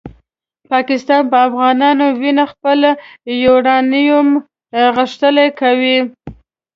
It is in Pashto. پاکستان په افغانانو وینو خپل یورانیوم غښتلی کاوه.